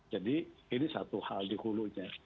ini satu hal di hulunya